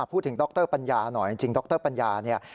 ดรปัญญาหน่อยจริงดรปัญญาเนี่ย